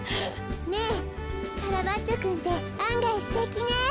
ねえカラバッチョくんってあんがいすてきね。